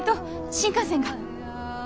新幹線が！